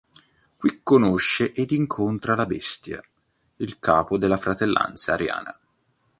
Qui conosce ed incontra la "Bestia", il capo della Fratellanza ariana.